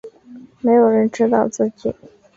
没有人知道自己